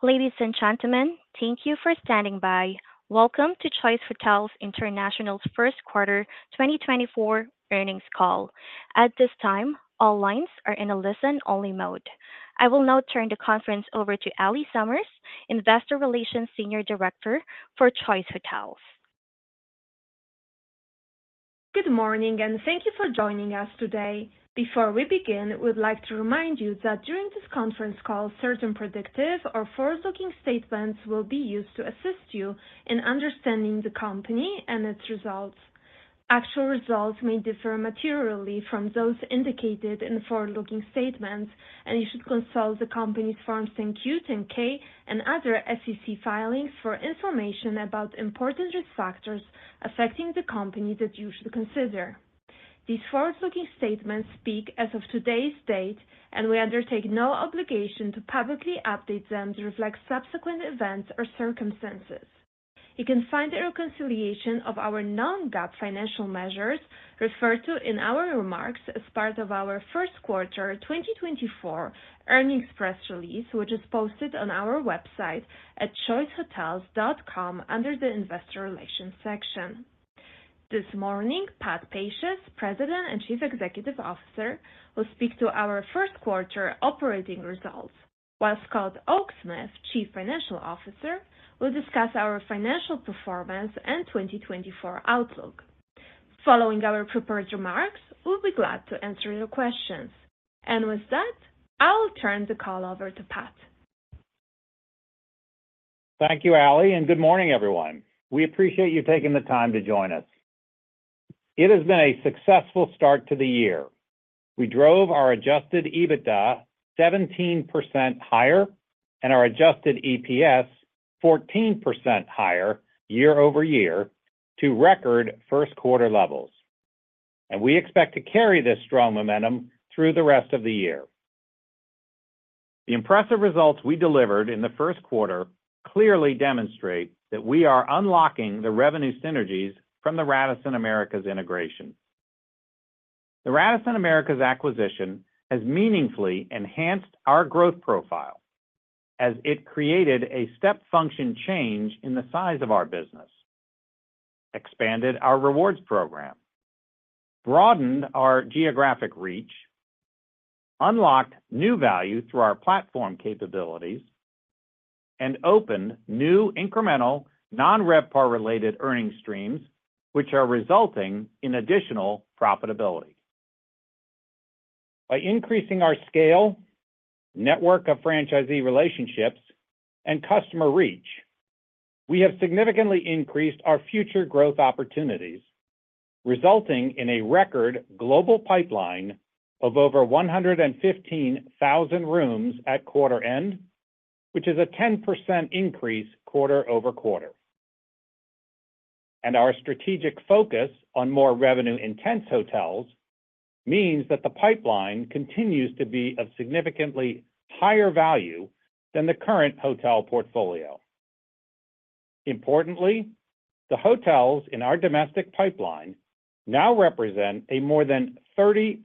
Ladies and gentlemen, thank you for standing by. Welcome to Choice Hotels International's first quarter 2024 earnings call. At this time, all lines are in a listen-only mode. I will now turn the conference over to Allie Summers, Investor Relations Senior Director for Choice Hotels. Good morning, and thank you for joining us today. Before we begin, we'd like to remind you that during this conference call, certain predictive or forward-looking statements will be used to assist you in understanding the company and its results. Actual results may differ materially from those indicated in the forward-looking statements, and you should consult the company's Forms 10-Q, 10-K, and other SEC filings for information about important risk factors affecting the company that you should consider. These forward-looking statements speak as of today's date, and we undertake no obligation to publicly update them to reflect subsequent events or circumstances. You can find the reconciliation of our non-GAAP financial measures referred to in our remarks as part of our first quarter 2024 earnings press release, which is posted on our website at choicehotels.com under the Investor Relations section. This morning, Pat Pacious, President and Chief Executive Officer, will speak to our first quarter operating results, while Scott Oaksmith, Chief Financial Officer, will discuss our financial performance and 2024 outlook. Following our prepared remarks, we'll be glad to answer your questions. With that, I'll turn the call over to Pat. Thank you, Allie, and good morning, everyone. We appreciate you taking the time to join us. It has been a successful start to the year. We drove our Adjusted EBITDA 17% higher and our Adjusted EPS 14% higher year-over-year to record first quarter levels, and we expect to carry this strong momentum through the rest of the year. The impressive results we delivered in the first quarter clearly demonstrate that we are unlocking the revenue synergies from the Radisson Americas integration. The Radisson Americas acquisition has meaningfully enhanced our growth profile as it created a step function change in the size of our business, expanded our rewards program, broadened our geographic reach, unlocked new value through our platform capabilities, and opened new incremental non-RevPAR-related earning streams, which are resulting in additional profitability. By increasing our scale, network of franchisee relationships, and customer reach, we have significantly increased our future growth opportunities, resulting in a record global pipeline of over 115,000 rooms at quarter end, which is a 10% increase quarter-over-quarter. Our strategic focus on more revenue-intense hotels means that the pipeline continues to be of significantly higher value than the current hotel portfolio. Importantly, the hotels in our domestic pipeline now represent a more than 30%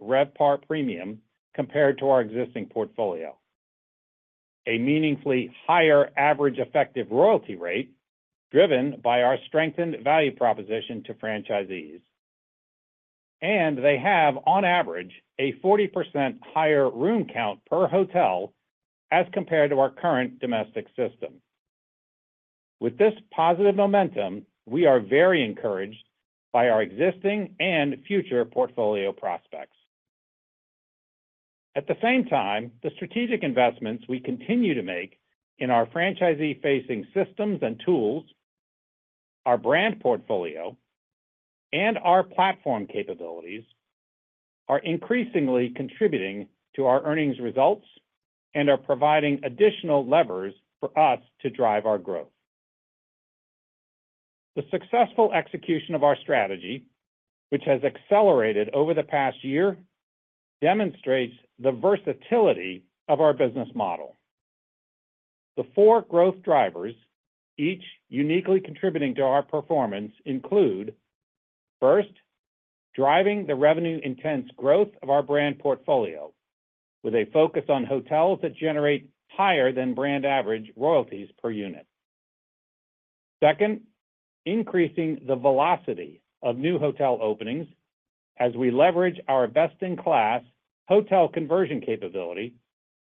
RevPAR premium compared to our existing portfolio. A meaningfully higher average effective royalty rate, driven by our strengthened value proposition to franchisees. They have, on average, a 40% higher room count per hotel as compared to our current domestic system. With this positive momentum, we are very encouraged by our existing and future portfolio prospects. At the same time, the strategic investments we continue to make in our franchisee-facing systems and tools, our brand portfolio, and our platform capabilities, are increasingly contributing to our earnings results and are providing additional levers for us to drive our growth. The successful execution of our strategy, which has accelerated over the past year, demonstrates the versatility of our business model. The four growth drivers, each uniquely contributing to our performance, include, first, driving the revenue-intense growth of our brand portfolio with a focus on hotels that generate higher than brand average royalties per unit. Second, increasing the velocity of new hotel openings as we leverage our best-in-class hotel conversion capability,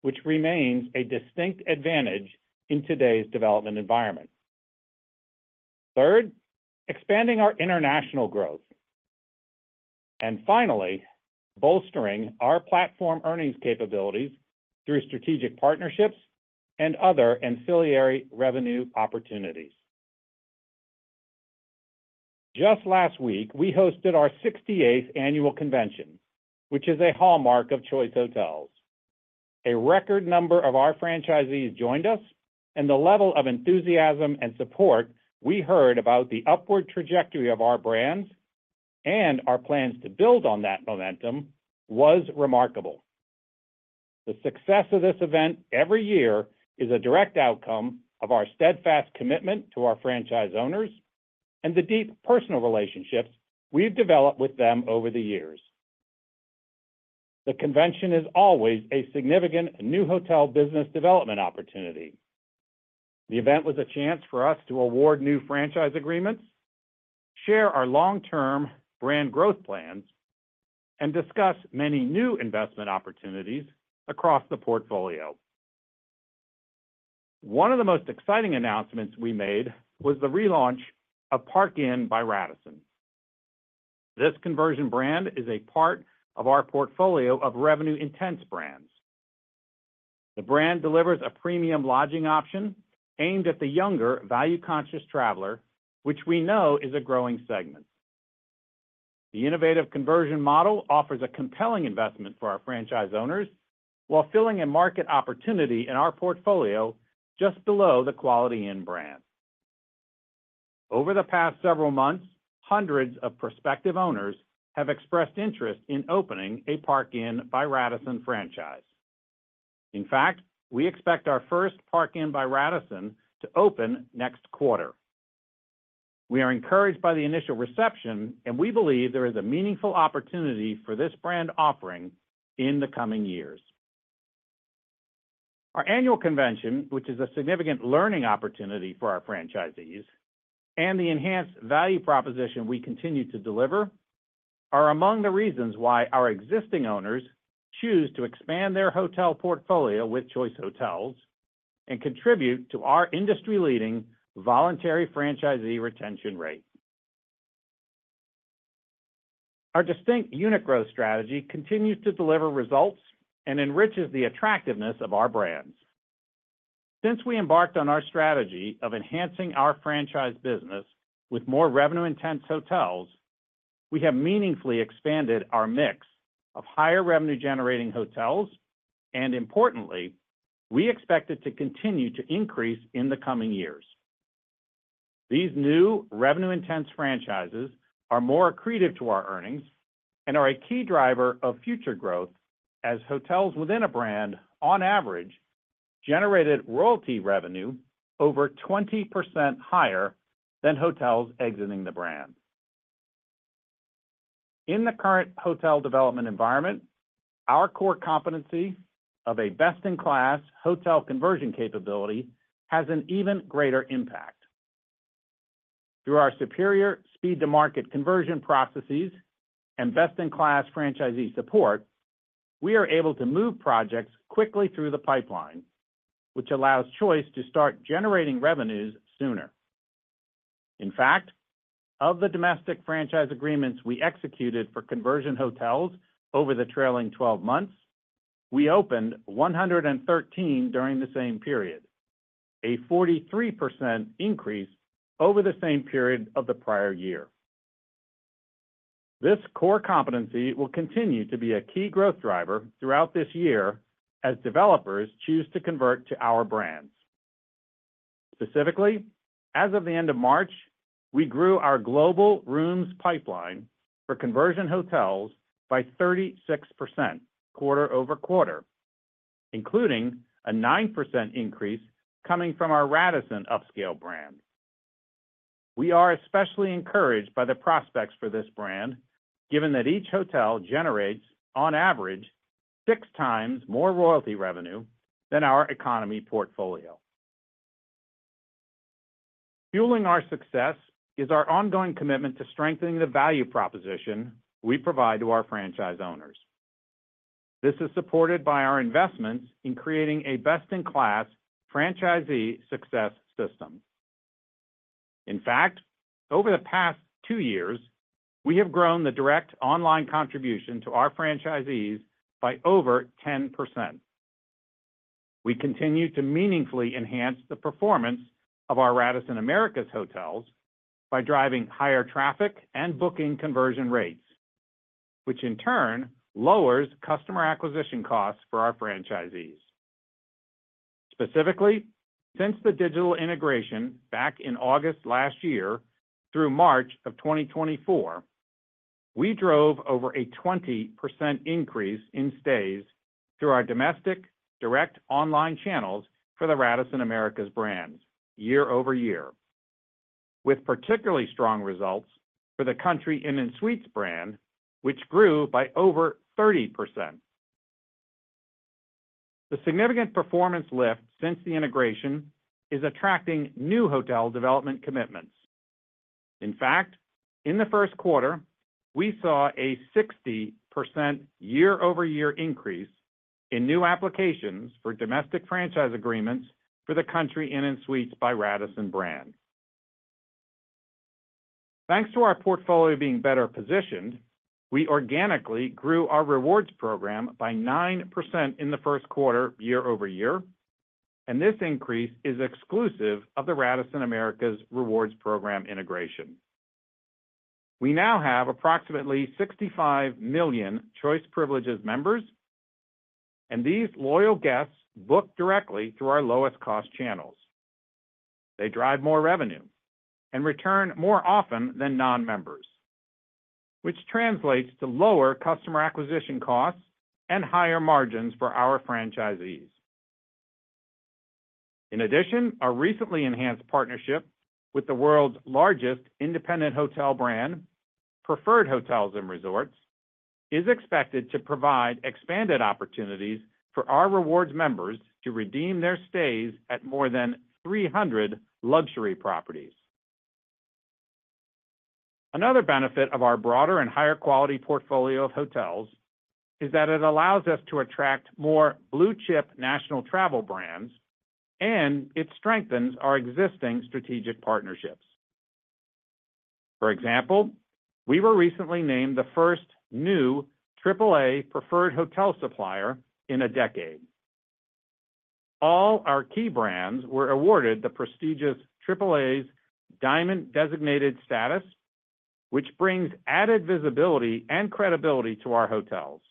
which remains a distinct advantage in today's development environment. Third, expanding our international growth. And finally, bolstering our platform earnings capabilities through strategic partnerships and other ancillary revenue opportunities. Just last week, we hosted our 68th annual convention, which is a hallmark of Choice Hotels. A record number of our franchisees joined us, and the level of enthusiasm and support we heard about the upward trajectory of our brands and our plans to build on that momentum was remarkable. The success of this event every year is a direct outcome of our steadfast commitment to our franchise owners and the deep personal relationships we've developed with them over the years. The convention is always a significant new hotel business development opportunity. The event was a chance for us to award new franchise agreements, share our long-term brand growth plans, and discuss many new investment opportunities across the portfolio. One of the most exciting announcements we made was the relaunch of Park Inn by Radisson. This conversion brand is a part of our portfolio of revenue-intense brands. The brand delivers a premium lodging option aimed at the younger, value-conscious traveler, which we know is a growing segment. The innovative conversion model offers a compelling investment for our franchise owners, while filling a market opportunity in our portfolio just below the Quality Inn brand. Over the past several months, hundreds of prospective owners have expressed interest in opening a Park Inn by Radisson franchise. In fact, we expect our first Park Inn by Radisson to open next quarter. We are encouraged by the initial reception, and we believe there is a meaningful opportunity for this brand offering in the coming years. Our annual convention, which is a significant learning opportunity for our franchisees, and the enhanced value proposition we continue to deliver, are among the reasons why our existing owners choose to expand their hotel portfolio with Choice Hotels and contribute to our industry-leading voluntary franchisee retention rate. Our distinct unit growth strategy continues to deliver results and enriches the attractiveness of our brands. Since we embarked on our strategy of enhancing our franchise business with more revenue-intense hotels, we have meaningfully expanded our mix of higher revenue-generating hotels, and importantly, we expect it to continue to increase in the coming years. These new revenue-intense franchises are more accretive to our earnings and are a key driver of future growth as hotels within a brand, on average, generated royalty revenue over 20% higher than hotels exiting the brand. In the current hotel development environment, our core competency of a best-in-class hotel conversion capability has an even greater impact. Through our superior speed-to-market conversion processes and best-in-class franchisee support, we are able to move projects quickly through the pipeline, which allows Choice to start generating revenues sooner. In fact, of the domestic franchise agreements we executed for conversion hotels over the trailing twelve months, we opened 113 during the same period, a 43% increase over the same period of the prior year. This core competency will continue to be a key growth driver throughout this year as developers choose to convert to our brands. Specifically, as of the end of March, we grew our global rooms pipeline for conversion hotels by 36% quarter-over-quarter, including a 9% increase coming from our Radisson upscale brand. We are especially encouraged by the prospects for this brand, given that each hotel generates, on average, 6 times more royalty revenue than our economy portfolio. Fueling our success is our ongoing commitment to strengthening the value proposition we provide to our franchise owners. This is supported by our investments in creating a best-in-class franchisee success system. In fact, over the past two years, we have grown the direct online contribution to our franchisees by over 10%. We continue to meaningfully enhance the performance of our Radisson Americas hotels by driving higher traffic and booking conversion rates, which in turn lowers customer acquisition costs for our franchisees. Specifically, since the digital integration back in August last year through March of 2024, we drove over a 20% increase in stays through our domestic direct online channels for the Radisson Americas brands year over year, with particularly strong results for the Country Inn & Suites brand, which grew by over 30%. The significant performance lift since the integration is attracting new hotel development commitments. In fact, in the first quarter, we saw a 60% year-over-year increase in new applications for domestic franchise agreements for the Country Inn & Suites by Radisson brand. Thanks to our portfolio being better positioned, we organically grew our rewards program by 9% in the first quarter year-over-year, and this increase is exclusive of the Radisson Americas rewards program integration. We now have approximately 65 million Choice Privileges members, and these loyal guests book directly through our lowest-cost channels. They drive more revenue and return more often than non-members, which translates to lower customer acquisition costs and higher margins for our franchisees. In addition, our recently enhanced partnership with the world's largest independent hotel brand, Preferred Hotels & Resorts, is expected to provide expanded opportunities for our rewards members to redeem their stays at more than 300 luxury properties. Another benefit of our broader and higher quality portfolio of hotels is that it allows us to attract more blue-chip national travel brands, and it strengthens our existing strategic partnerships. For example, we were recently named the first new AAA Preferred Hotel Supplier in a decade. All our key brands were awarded the prestigious AAA's Diamond Designated Status, which brings added visibility and credibility to our hotels.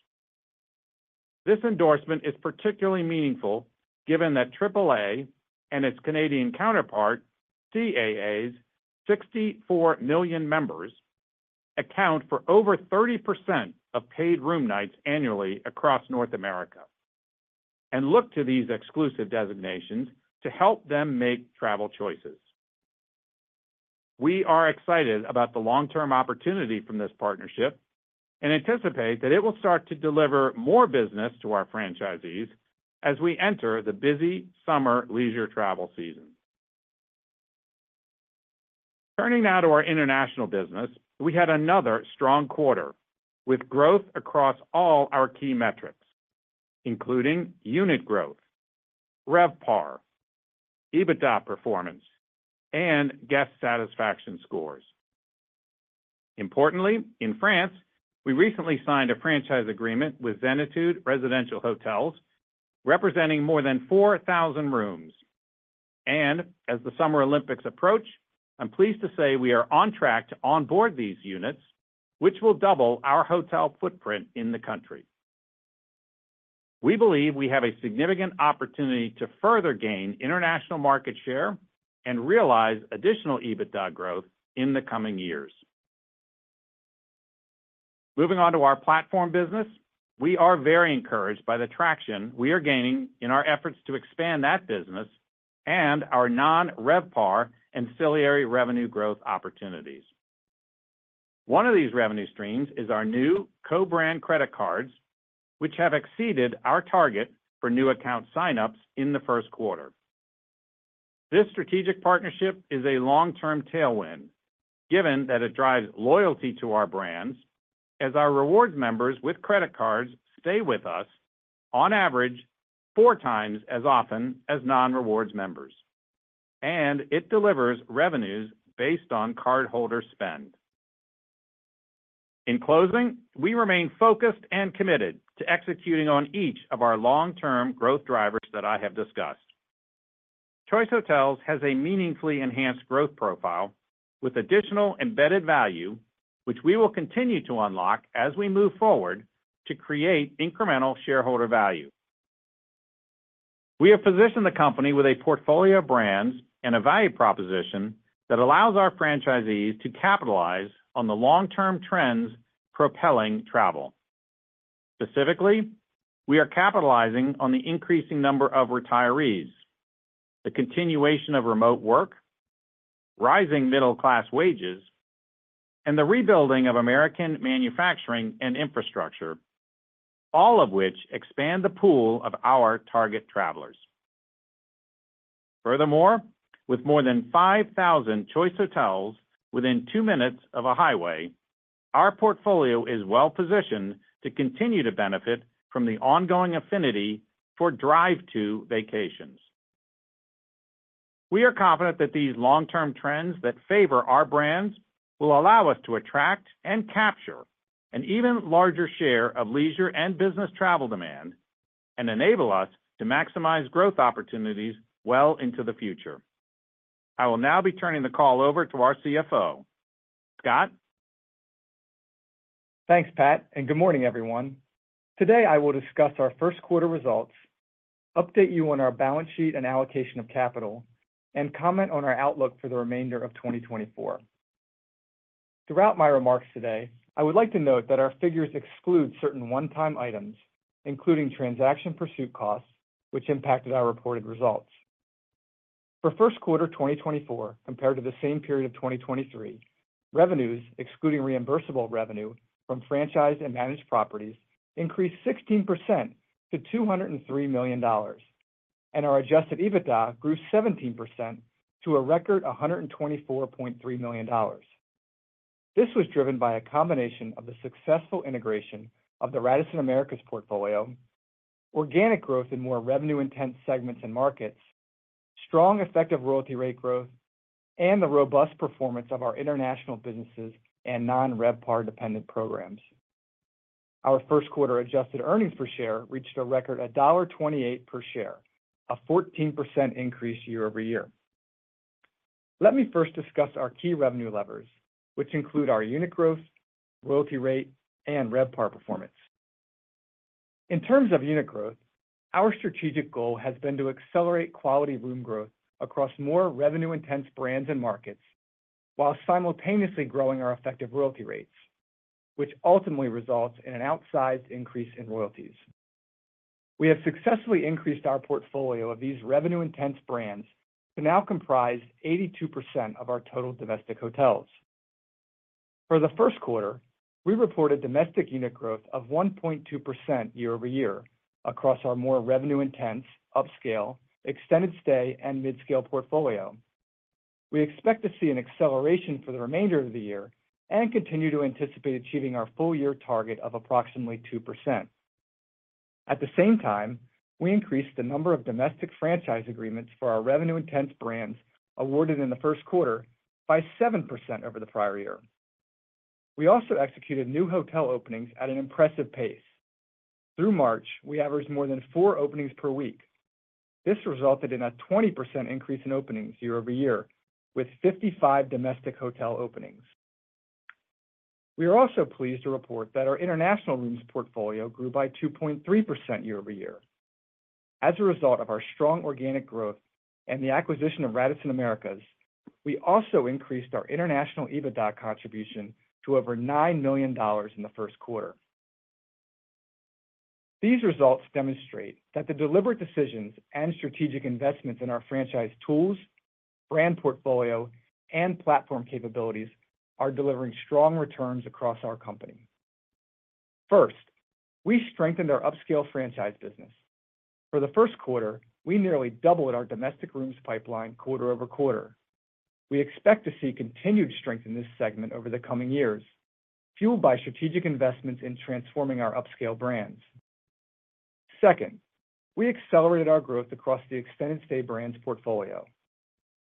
This endorsement is particularly meaningful, given that AAA and its Canadian counterpart, CAA's, 64 million members account for over 30% of paid room nights annually across North America, and look to these exclusive designations to help them make travel choices. We are excited about the long-term opportunity from this partnership and anticipate that it will start to deliver more business to our franchisees as we enter the busy summer leisure travel season. Turning now to our international business. We had another strong quarter, with growth across all our key metrics, including unit growth, RevPAR, EBITDA performance, and guest satisfaction scores. Importantly, in France, we recently signed a franchise agreement with Zenitude Hôtel-Résidences, representing more than 4,000 rooms. As the Summer Olympics approach, I'm pleased to say we are on track to onboard these units, which will double our hotel footprint in the country. We believe we have a significant opportunity to further gain international market share and realize additional EBITDA growth in the coming years. Moving on to our platform business, we are very encouraged by the traction we are gaining in our efforts to expand that business and our non-RevPAR ancillary revenue growth opportunities. One of these revenue streams is our new co-brand credit cards, which have exceeded our target for new account sign-ups in the first quarter. This strategic partnership is a long-term tailwind, given that it drives loyalty to our brands as our rewards members with credit cards stay with us, on average, four times as often as non-rewards members, and it delivers revenues based on cardholder spend. In closing, we remain focused and committed to executing on each of our long-term growth drivers that I have discussed. Choice Hotels has a meaningfully enhanced growth profile with additional embedded value, which we will continue to unlock as we move forward to create incremental shareholder value. We have positioned the company with a portfolio of brands and a value proposition that allows our franchisees to capitalize on the long-term trends propelling travel. Specifically, we are capitalizing on the increasing number of retirees, the continuation of remote work, rising middle class wages, and the rebuilding of American manufacturing and infrastructure, all of which expand the pool of our target travelers. Furthermore, with more than 5,000 Choice Hotels within two minutes of a highway, our portfolio is well positioned to continue to benefit from the ongoing affinity for drive-to vacations. We are confident that these long-term trends that favor our brands will allow us to attract and capture an even larger share of leisure and business travel demand, and enable us to maximize growth opportunities well into the future. I will now be turning the call over to our CFO. Scott? Thanks, Pat, and good morning, everyone. Today, I will discuss our first quarter results, update you on our balance sheet and allocation of capital, and comment on our outlook for the remainder of 2024. Throughout my remarks today, I would like to note that our figures exclude certain one-time items, including transaction pursuit costs, which impacted our reported results. For first quarter 2024 compared to the same period of 2023, revenues, excluding reimbursable revenue from franchise and managed properties, increased 16% to $203 million, and our Adjusted EBITDA grew 17% to a record $124.3 million. This was driven by a combination of the successful integration of the Radisson Americas portfolio, organic growth in more revenue-intense segments and markets, strong effective royalty rate growth, and the robust performance of our international businesses and non-RevPAR-dependent programs. Our first quarter Adjusted Earnings Per Share reached a record of $1.28 per share, a 14% increase year-over-year. Let me first discuss our key revenue levers, which include our unit growth, royalty rate, and RevPAR performance. In terms of unit growth, our strategic goal has been to accelerate quality room growth across more revenue-intense brands and markets, while simultaneously growing our effective royalty rates, which ultimately results in an outsized increase in royalties. We have successfully increased our portfolio of these revenue-intense brands to now comprise 82% of our total domestic hotels. For the first quarter, we reported domestic unit growth of 1.2% year-over-year across our more revenue-intense, upscale, extended stay, and midscale portfolio. We expect to see an acceleration for the remainder of the year and continue to anticipate achieving our full year target of approximately 2%. At the same time, we increased the number of domestic franchise agreements for our revenue intense brands awarded in the first quarter by 7% over the prior year. We also executed new hotel openings at an impressive pace. Through March, we averaged more than four openings per week. This resulted in a 20% increase in openings year-over-year, with 55 domestic hotel openings. We are also pleased to report that our international rooms portfolio grew by 2.3% year-over-year. As a result of our strong organic growth and the acquisition of Radisson Americas, we also increased our international EBITDA contribution to over $9 million in the first quarter. These results demonstrate that the deliberate decisions and strategic investments in our franchise tools, brand portfolio, and platform capabilities are delivering strong returns across our company. First, we strengthened our upscale franchise business. For the first quarter, we nearly doubled our domestic rooms pipeline quarter-over-quarter. We expect to see continued strength in this segment over the coming years, fueled by strategic investments in transforming our upscale brands. Second, we accelerated our growth across the extended stay brands portfolio.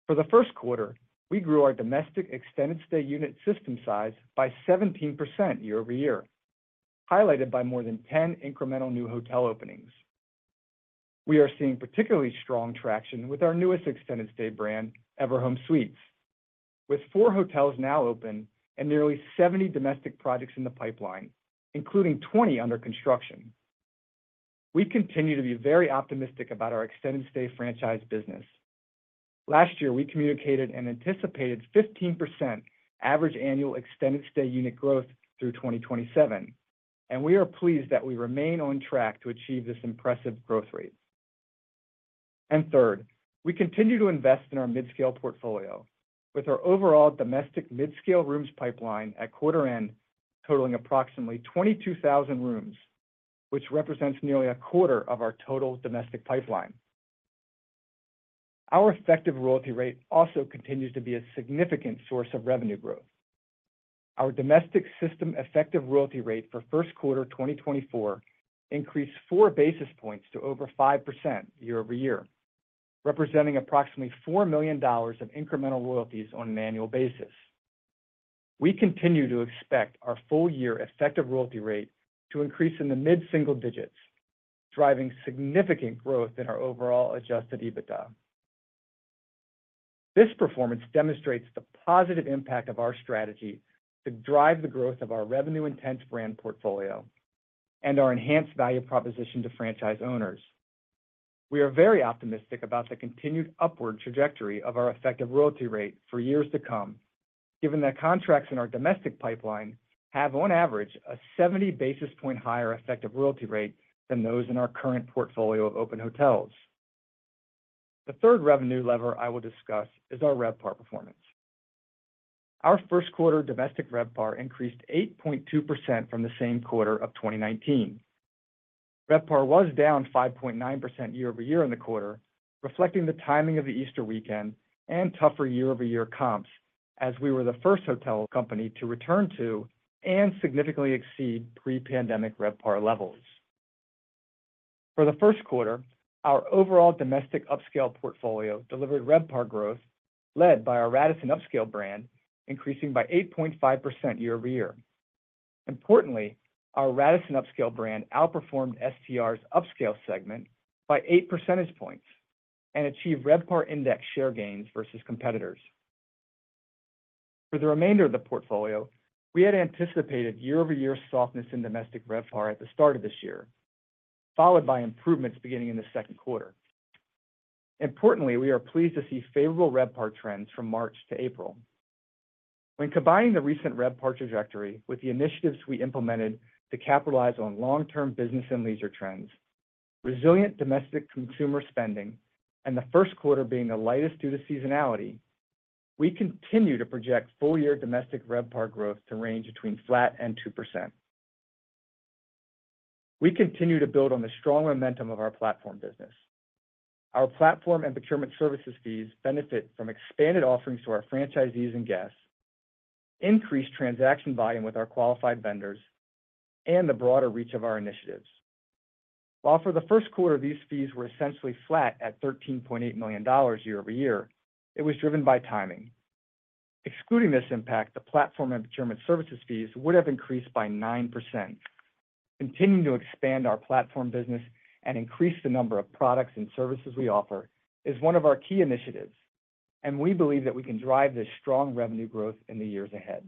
For the first quarter, we grew our domestic extended stay unit system size by 17% year-over-year, highlighted by more than 10 incremental new hotel openings. We are seeing particularly strong traction with our newest extended stay brand, Everhome Suites, with four hotels now open and nearly 70 domestic projects in the pipeline, including 20 under construction. We continue to be very optimistic about our extended stay franchise business. Last year, we communicated an anticipated 15% average annual extended stay unit growth through 2027, and we are pleased that we remain on track to achieve this impressive growth rate. Third, we continue to invest in our midscale portfolio with our overall domestic midscale rooms pipeline at quarter end, totaling approximately 22,000 rooms, which represents nearly a quarter of our total domestic pipeline. Our effective royalty rate also continues to be a significant source of revenue growth. Our domestic system effective royalty rate for first quarter 2024 increased four basis points to over 5% year-over-year, representing approximately $4 million of incremental royalties on an annual basis. We continue to expect our full year effective royalty rate to increase in the mid-single digits, driving significant growth in our overall Adjusted EBITDA. This performance demonstrates the positive impact of our strategy to drive the growth of our revenue-intense brand portfolio and our enhanced value proposition to franchise owners. We are very optimistic about the continued upward trajectory of our effective royalty rate for years to come, given that contracts in our domestic pipeline have, on average, a 70 basis point higher effective royalty rate than those in our current portfolio of open hotels. The third revenue lever I will discuss is our RevPAR performance. Our first quarter domestic RevPAR increased 8.2% from the same quarter of 2019. RevPAR was down 5.9% year-over-year in the quarter, reflecting the timing of the Easter weekend and tougher year-over-year comps, as we were the first hotel company to return to and significantly exceed pre-pandemic RevPAR levels. For the first quarter, our overall domestic upscale portfolio delivered RevPAR growth, led by our Radisson upscale brand, increasing by 8.5% year-over-year. Importantly, our Radisson upscale brand outperformed STR's upscale segment by eight percentage points and achieved RevPAR index share gains versus competitors. For the remainder of the portfolio, we had anticipated year-over-year softness in domestic RevPAR at the start of this year, followed by improvements beginning in the second quarter. Importantly, we are pleased to see favorable RevPAR trends from March to April. When combining the recent RevPAR trajectory with the initiatives we implemented to capitalize on long-term business and leisure trends, resilient domestic consumer spending, and the first quarter being the lightest due to seasonality, we continue to project full year domestic RevPAR growth to range between flat and 2%. We continue to build on the strong momentum of our platform business. Our platform and procurement services fees benefit from expanded offerings to our franchisees and guests, increased transaction volume with our qualified vendors, and the broader reach of our initiatives. While for the first quarter, these fees were essentially flat at $13.8 million year-over-year, it was driven by timing. Excluding this impact, the platform and procurement services fees would have increased by 9%. Continuing to expand our platform business and increase the number of products and services we offer is one of our key initiatives, and we believe that we can drive this strong revenue growth in the years ahead.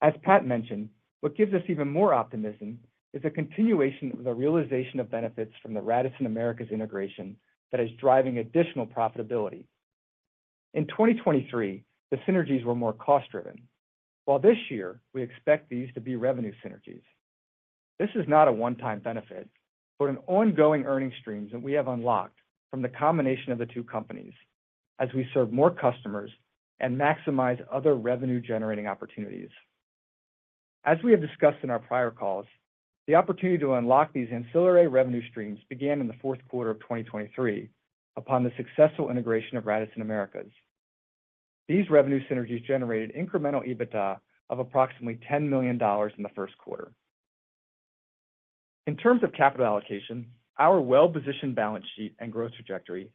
As Pat mentioned, what gives us even more optimism is the continuation of the realization of benefits from the Radisson Americas integration that is driving additional profitability. In 2023, the synergies were more cost-driven, while this year, we expect these to be revenue synergies. This is not a one-time benefit, but an ongoing earnings streams that we have unlocked from the combination of the two companies as we serve more customers and maximize other revenue-generating opportunities. As we have discussed in our prior calls, the opportunity to unlock these ancillary revenue streams began in the fourth quarter of 2023 upon the successful integration of Radisson Americas. These revenue synergies generated incremental EBITDA of approximately $10 million in the first quarter. In terms of capital allocation, our well-positioned balance sheet and growth trajectory,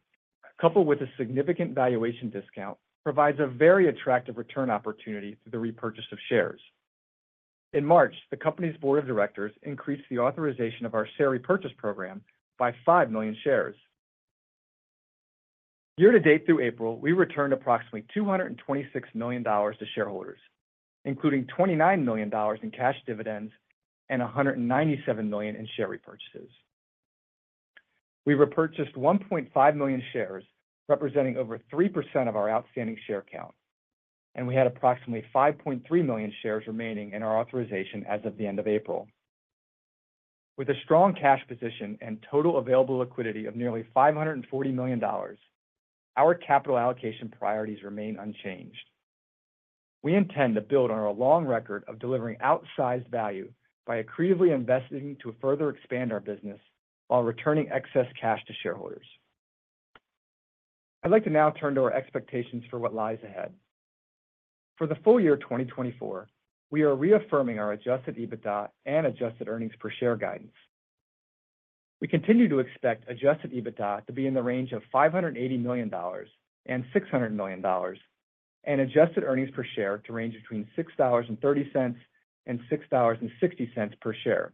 coupled with a significant valuation discount, provides a very attractive return opportunity through the repurchase of shares. In March, the company's board of directors increased the authorization of our share repurchase program by 5 million shares. Year to date through April, we returned approximately $226 million to shareholders, including $29 million in cash dividends and $197 million in share repurchases. We repurchased 1.5 million shares, representing over 3% of our outstanding share count, and we had approximately 5.3 million shares remaining in our authorization as of the end of April. With a strong cash position and total available liquidity of nearly $540 million, our capital allocation priorities remain unchanged. We intend to build on our long record of delivering outsized value by accretively investing to further expand our business while returning excess cash to shareholders. I'd like to now turn to our expectations for what lies ahead. For the full year 2024, we are reaffirming our Adjusted EBITDA and Adjusted Earnings Per Share guidance. We continue to expect Adjusted EBITDA to be in the range of $580 million-$600 million, and Adjusted Earnings Per Share to range between $6.30 and $6.60 per share.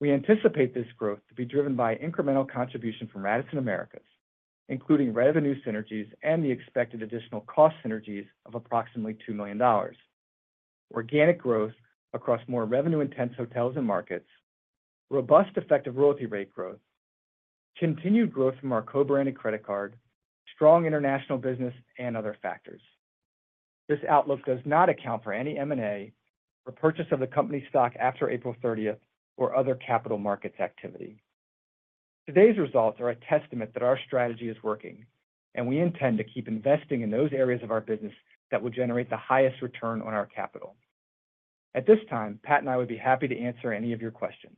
We anticipate this growth to be driven by incremental contribution from Radisson Americas, including revenue synergies and the expected additional cost synergies of approximately $2 million. Organic growth across more revenue-intense hotels and markets, robust effective royalty rate growth, continued growth from our co-branded credit card, strong international business, and other factors. This outlook does not account for any M&A or purchase of the company's stock after April 30 or other capital markets activity. Today's results are a testament that our strategy is working, and we intend to keep investing in those areas of our business that will generate the highest return on our capital. At this time, Pat and I would be happy to answer any of your questions.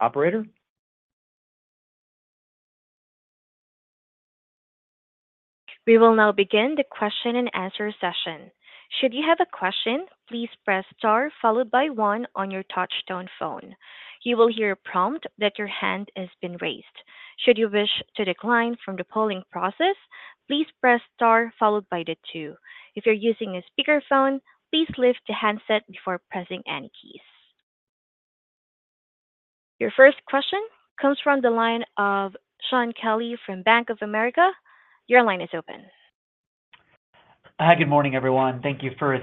Operator? We will now begin the question and answer session. Should you have a question, please press star followed by one on your touchtone phone. You will hear a prompt that your hand has been raised. Should you wish to decline from the polling process, please press star followed by the two. If you're using a speakerphone, please lift the handset before pressing any keys. Your first question comes from the line of Shaun Kelley from Bank of America. Your line is open. Hi, good morning, everyone. Thank you for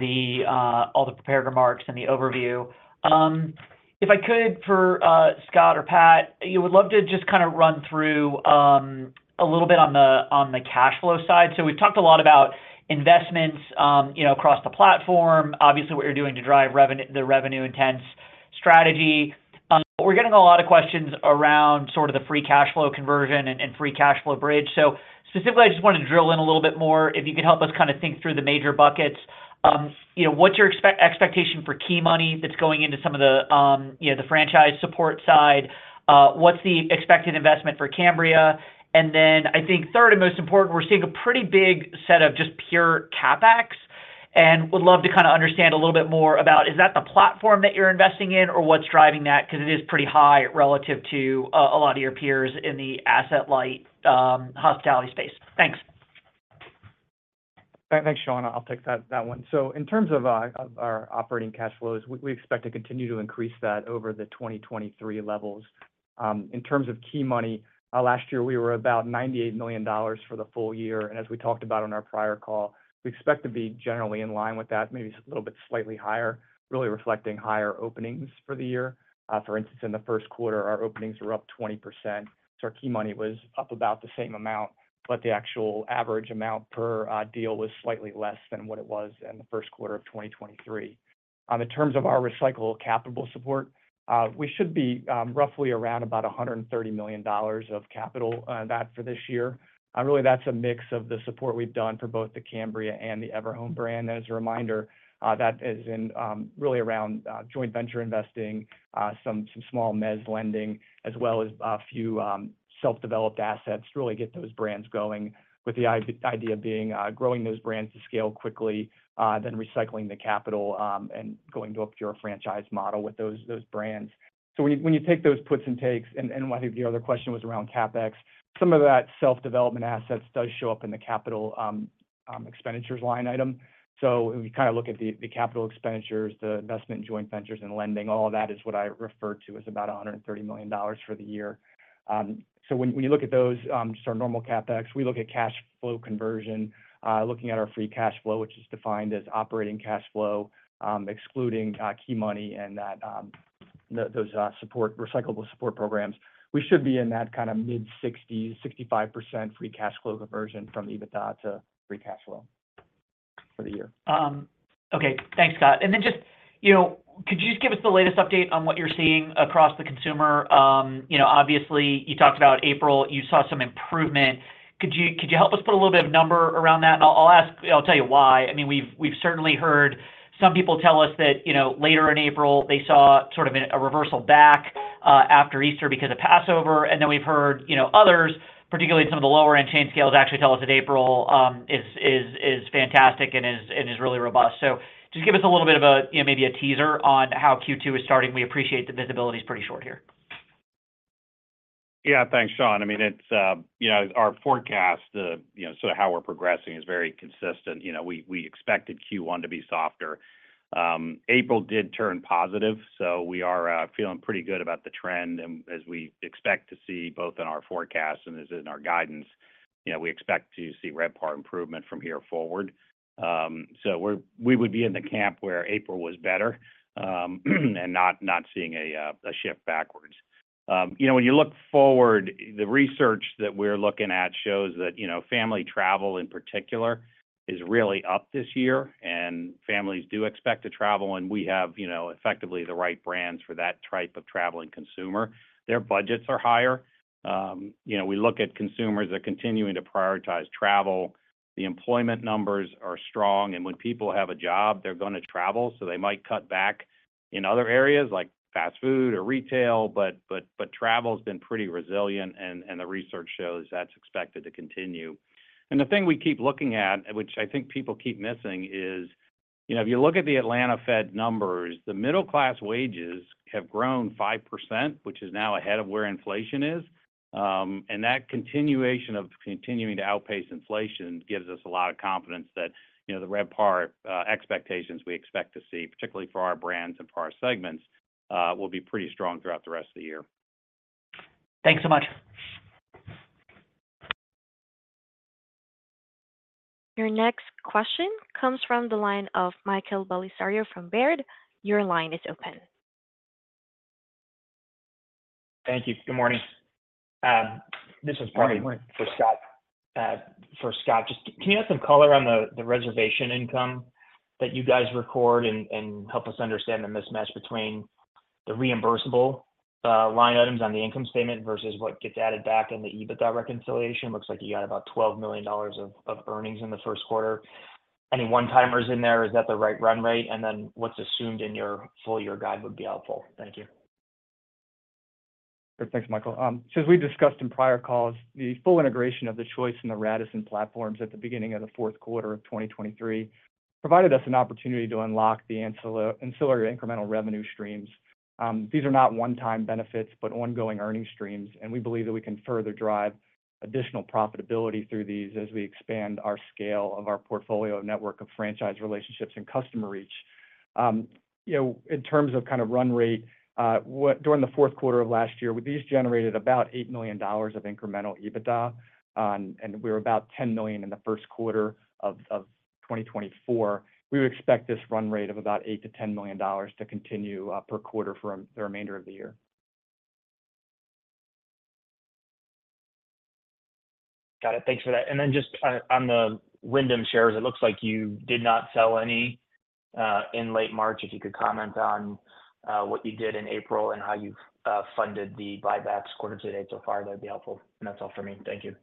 all the prepared remarks and the overview. If I could, for Scott or Pat, you would love to just kind of run through a little bit on the cash flow side. So we've talked a lot about investments, you know, across the platform. Obviously, what you're doing to drive the revenue intense strategy. But we're getting a lot of questions around sort of the free cash flow conversion and free cash flow bridge. So specifically, I just wanted to drill in a little bit more, if you could help us kind of think through the major buckets. You know, what's your expectation for key money that's going into some of the, you know, the franchise support side? What's the expected investment for Cambria? And then I think third, and most important, we're seeing a pretty big set of just pure CapEx, and would love to kind of understand a little bit more about: is that the platform that you're investing in, or what's driving that? Because it is pretty high relative to a, a lot of your peers in the asset-light hospitality space. Thanks. Thanks, Shaun. I'll take that, that one. So in terms of of our operating cash flows, we expect to continue to increase that over the 2023 levels. In terms of key money, last year, we were about $98 million for the full year. As we talked about on our prior call, we expect to be generally in line with that, maybe a little bit slightly higher, really reflecting higher openings for the year. For instance, in the first quarter, our openings were up 20%, so our key money was up about the same amount, but the actual average amount per deal was slightly less than what it was in the first quarter of 2023. In terms of our recycle capital support, we should be, roughly around about $130 million of capital, that for this year. And really, that's a mix of the support we've done for both the Cambria and the Everhome brand. As a reminder, that is in, really around, joint venture investing, some small mezz lending, as well as a few, self-developed assets to really get those brands going. With the idea being, growing those brands to scale quickly, then recycling the capital, and going to a pure franchise model with those brands. So when you take those puts and takes, and I think the other question was around CapEx, some of that self-development assets does show up in the capital expenditures line item. So if you kind of look at the capital expenditures, the investment in joint ventures and lending, all of that is what I refer to as about $130 million for the year. So when you look at those, just our normal CapEx, we look at cash flow conversion, looking at our free cash flow, which is defined as operating cash flow, excluding key money and that, those support, recyclable support programs. We should be in that kind of mid-60%, 65% free cash flow conversion from EBITDA to free cash flow for the year. Okay, thanks, Scott. And then just, you know, could you just give us the latest update on what you're seeing across the consumer? You know, obviously, you talked about April, you saw some improvement. Could you help us put a little bit of number around that? I'll tell you why. I mean, we've certainly heard some people tell us that, you know, later in April, they saw sort of a reversal back after Easter because of Passover, and then we've heard, you know, others, particularly some of the lower end chain scales, actually tell us that April is fantastic and is really robust. So just give us a little bit of a, you know, maybe a teaser on how Q2 is starting. We appreciate the visibility is pretty short here. Yeah, thanks, Shaun. I mean, it's you know, our forecast, you know, sort of how we're progressing is very consistent. You know, we expected Q1 to be softer. April did turn positive, so we are feeling pretty good about the trend. And as we expect to see, both in our forecast and as in our guidance, you know, we expect to see RevPAR improvement from here forward. So we would be in the camp where April was better, and not seeing a shift backwards. You know, when you look forward, the research that we're looking at shows that, you know, family travel, in particular, is really up this year, and families do expect to travel, and we have, you know, effectively the right brands for that type of traveling consumer. Their budgets are higher. You know, we look at consumers are continuing to prioritize travel. The employment numbers are strong, and when people have a job, they're gonna travel, so they might cut back in other areas like fast food or retail, but travel has been pretty resilient, and the research shows that's expected to continue. And the thing we keep looking at, which I think people keep missing, is, you know, if you look at the Atlanta Fed numbers, the middle class wages have grown 5%, which is now ahead of where inflation is. And that continuation of continuing to outpace inflation gives us a lot of confidence that, you know, the RevPAR expectations we expect to see, particularly for our brands and for our segments, will be pretty strong throughout the rest of the year. Thanks so much. Your next question comes from the line of Michael Bellisario from Baird. Your line is open. Thank you. Good morning. This is probably- Good morning. For Scott, just can you add some color on the reservation income that you guys record and help us understand the mismatch between the reimbursable line items on the income statement versus what gets added back in the EBITDA reconciliation? Looks like you got about $12 million of earnings in the first quarter. Any one-timers in there, is that the right run rate? And then what's assumed in your full year guide would be helpful. Thank you. Thanks, Michael. So as we discussed in prior calls, the full integration of the Choice and the Radisson platforms at the beginning of the fourth quarter of 2023 provided us an opportunity to unlock the ancillary incremental revenue streams. These are not one-time benefits, but ongoing earnings streams, and we believe that we can further drive additional profitability through these as we expand our scale of our portfolio network of franchise relationships and customer reach. You know, in terms of kind of run rate, during the fourth quarter of last year, these generated about $8 million of incremental EBITDA, and we were about $10 million in the first quarter of 2024. We would expect this run rate of about $8 million-$10 million to continue per quarter for the remainder of the year. Got it. Thanks for that. And then just on, on the Wyndham shares, it looks like you did not sell any in late March. If you could comment on what you did in April and how you've funded the buybacks quarter to date so far, that'd be helpful. And that's all for me. Thank you.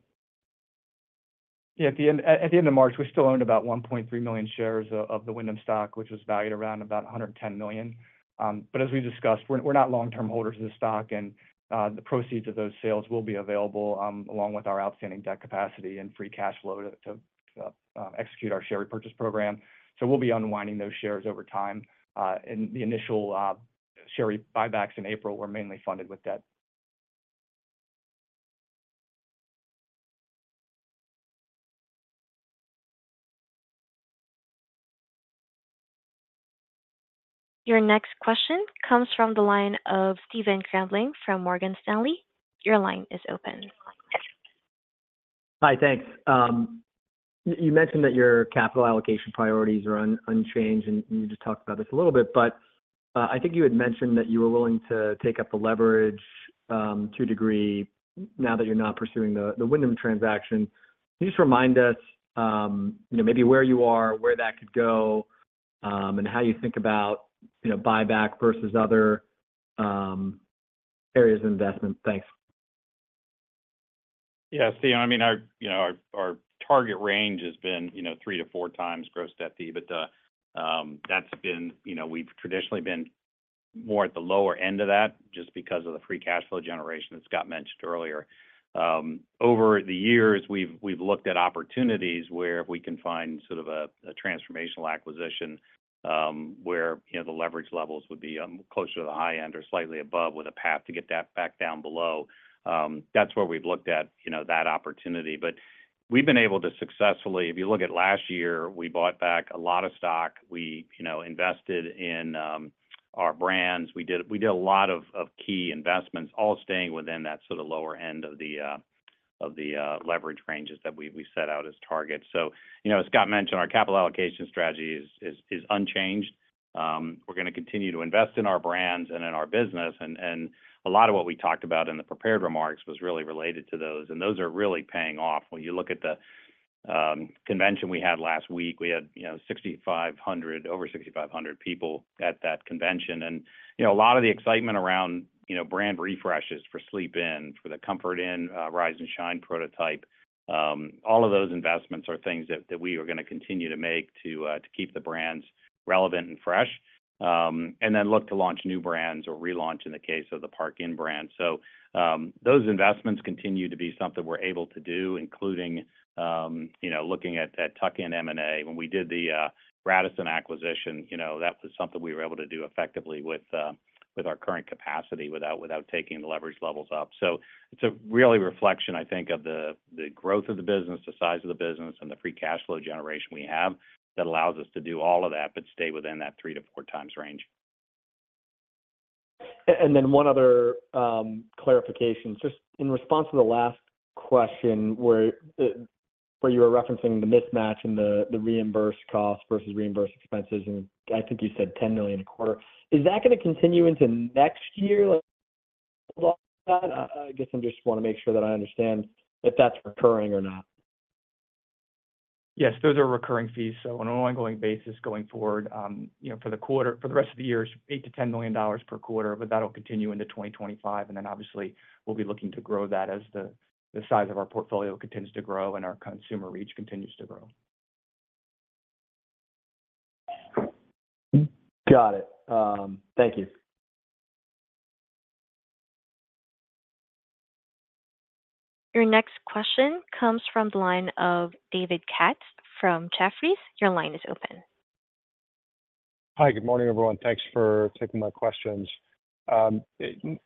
Yeah, at the end of March, we still owned about 1.3 million shares of the Wyndham stock, which was valued around about $110 million. But as we discussed, we're not long-term holders of the stock, and the proceeds of those sales will be available along with our outstanding debt capacity and free cash flow to execute our share repurchase program. So we'll be unwinding those shares over time. And the initial share buybacks in April were mainly funded with debt. Your next question comes from the line of Stephen Grambling from Morgan Stanley. Your line is open. Hi, thanks. You mentioned that your capital allocation priorities are unchanged, and you just talked about this a little bit, but I think you had mentioned that you were willing to take up the leverage to a degree now that you're not pursuing the Wyndham transaction. Can you just remind us, you know, maybe where you are, where that could go, and how you think about, you know, buyback versus other areas of investment? Thanks. Yeah. See, I mean, our target range has been, you know, three to four times gross debt to EBITDA, but that's been, you know, we've traditionally been more at the lower end of that just because of the free cash flow generation that's got mentioned earlier. Over the years, we've looked at opportunities where if we can find sort of a transformational acquisition, where the leverage levels would be closer to the high end or slightly above, with a path to get that back down below, that's where we've looked at that opportunity. But we've been able to successfully. If you look at last year, we bought back a lot of stock. We invested in our brands. We did a lot of key investments, all staying within that sort of lower end of the leverage ranges that we set out as targets. So, you know, as Scott mentioned, our capital allocation strategy is unchanged. We're going to continue to invest in our brands and in our business, and a lot of what we talked about in the prepared remarks was really related to those, and those are really paying off. When you look at the convention we had last week, we had, you know, 6,500, over 6,500 people at that convention. You know, a lot of the excitement around, you know, brand refreshes for Sleep Inn, for the Comfort Inn, Rise & Shine prototype, all of those investments are things that we are going to continue to make to keep the brands relevant and fresh. And then look to launch new brands or relaunch in the case of the Park Inn brand. So, those investments continue to be something we're able to do, including, you know, looking at tuck-in M&A. When we did the Radisson acquisition, you know, that was something we were able to do effectively with our current capacity without taking the leverage levels up. So it's a real reflection, I think, of the growth of the business, the size of the business, and the free cash flow generation we have that allows us to do all of that, but stay within that three to four times range. And then one other clarification. Just in response to the last question, where you were referencing the mismatch in the reimbursed costs versus reimbursed expenses, and I think you said $10 million a quarter. Is that going to continue into next year? Like, I guess I just want to make sure that I understand if that's recurring or not. Yes, those are recurring fees, so on an ongoing basis going forward, you know, for the rest of the year, it's $8 million-$10 million per quarter, but that'll continue into 2025. Then obviously, we'll be looking to grow that as the size of our portfolio continues to grow and our consumer reach continues to grow. Got it. Thank you. Your next question comes from the line of David Katz from Jefferies. Your line is open. Hi, good morning, everyone. Thanks for taking my questions.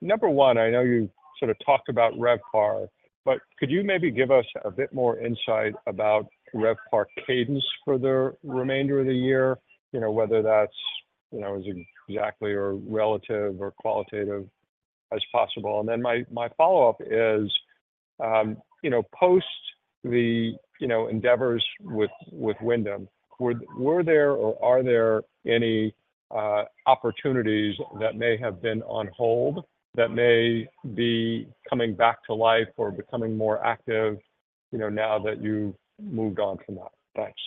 Number one, I know you sort of talked about RevPAR, but could you maybe give us a bit more insight about RevPAR cadence for the remainder of the year? You know, whether that's, you know, as exactly or relative or qualitative as possible. And then my follow-up is, you know, post the, you know, endeavors with Wyndham, were there or are there any opportunities that may have been on hold that may be coming back to life or becoming more active, you know, now that you've moved on from that? Thanks.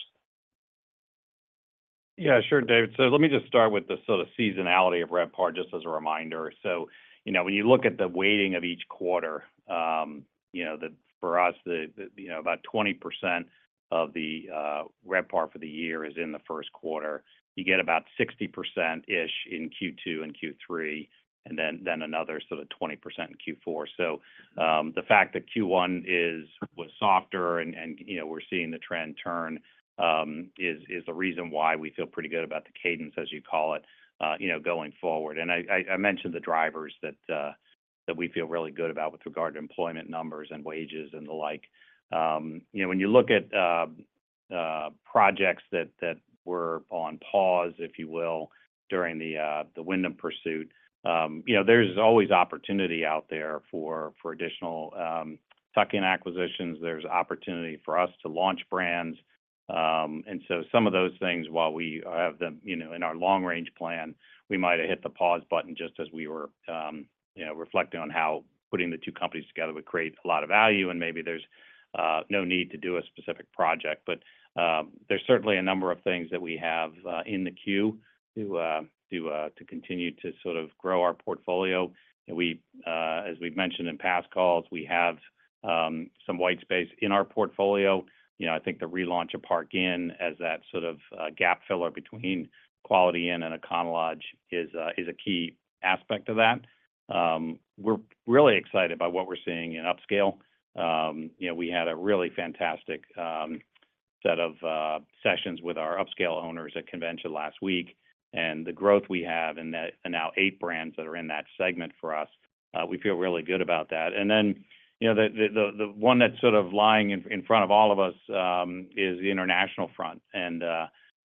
Yeah, sure, David. So let me just start with the sort of seasonality of RevPAR, just as a reminder. So, you know, when you look at the weighting of each quarter, you know, for us, about 20% of the RevPAR for the year is in the first quarter. You get about 60%-ish in Q2 and Q3, and then another sort of 20% in Q4. So, the fact that Q1 was softer and, you know, we're seeing the trend turn, is a reason why we feel pretty good about the cadence, as you call it, you know, going forward. And I mentioned the drivers that we feel really good about with regard to employment numbers and wages and the like. You know, when you look at projects that were on pause, if you will, during the Wyndham pursuit, you know, there's always opportunity out there for additional tuck-in acquisitions. There's opportunity for us to launch brands. And so some of those things, while we have them, you know, in our long-range plan, we might have hit the pause button just as we were, you know, reflecting on how putting the two companies together would create a lot of value, and maybe there's no need to do a specific project. But there's certainly a number of things that we have in the queue to continue to sort of grow our portfolio. We, as we've mentioned in past calls, we have some white space in our portfolio. You know, I think the relaunch of Park Inn as that sort of gap filler between Quality Inn and Econo Lodge is a key aspect of that. We're really excited by what we're seeing in upscale. You know, we had a really fantastic set of sessions with our upscale owners at convention last week, and the growth we have in that, and now eight brands that are in that segment for us, we feel really good about that. And then, you know, the one that's sort of lying in front of all of us is the international front. And,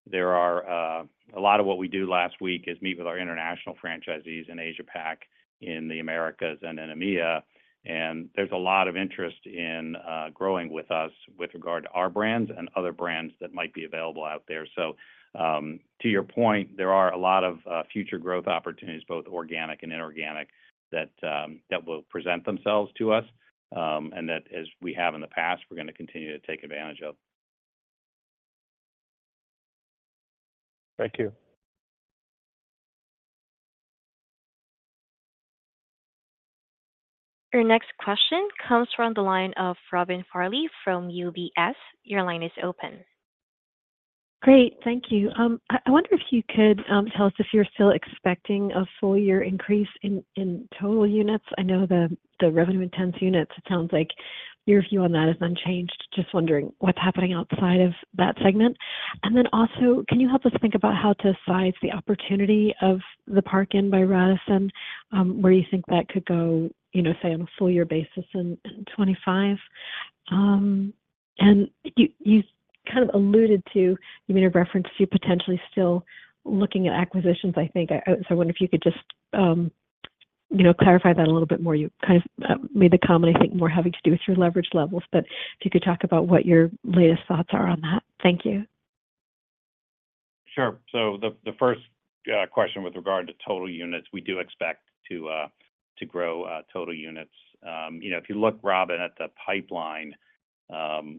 there are, a lot of what we do last week is meet with our international franchisees in Asia-Pac, in the Americas, and in EMEA, and there's a lot of interest in, growing with us with regard to our brands and other brands that might be available out there. So, to your point, there are a lot of, future growth opportunities, both organic and inorganic, that, that will present themselves to us, and that, as we have in the past, we're going to continue to take advantage of. Thank you. Your next question comes from the line of Robin Farley from UBS. Your line is open. Great, thank you. I wonder if you could tell us if you're still expecting a full-year increase in total units. I know the revenue intensive units, it sounds like your view on that is unchanged. Just wondering what's happening outside of that segment. And then also, can you help us think about how to size the opportunity of the Park Inn by Radisson, where you think that could go, you know, say, on a full-year basis in 2025? And you kind of alluded to, you made a reference to you potentially still looking at acquisitions, I think. So I wonder if you could just, you know, clarify that a little bit more. You kind of made the comment, I think, more having to do with your leverage levels, but if you could talk about what your latest thoughts are on that. Thank you. Sure. So the first question with regard to total units, we do expect to grow total units. You know, if you look, Robin, at the pipeline,